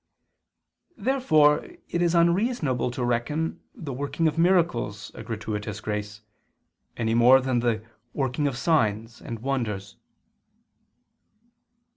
Therefore it is unreasonable to reckon the "working of miracles" a gratuitous grace, any more than the "working of signs" and "wonders."